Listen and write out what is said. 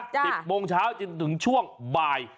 สิบโมงเช้าจนถึงช่วงบ่าย